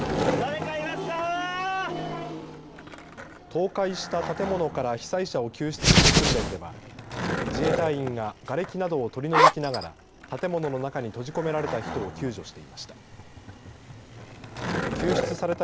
倒壊した建物から被災者を救出する訓練では自衛隊員ががれきなどを取り除きながら建物の中に閉じ込められた人を救助していました。